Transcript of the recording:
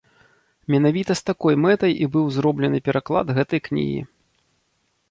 Менавіта з такой мэтай і быў зроблены пераклад гэтай кнігі.